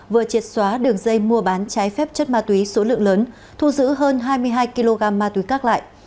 vừa triệt xóa đường dây mua bán trái phép chất ma túy số lượng lớn thu giữ hơn hai mươi hai kg ma túy các loại